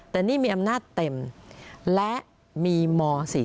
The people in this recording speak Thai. แต่นี่มีอำนาจเต็มและมีม๔๔